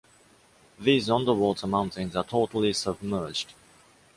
These underwater mountains are totally submerged.